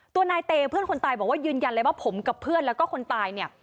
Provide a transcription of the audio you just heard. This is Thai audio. ตัวนายเตเพื่อนคนตายบอกว่ายืนยันเลยว่าผมกับเพื่อนแล้วก็คนตายเนี่ย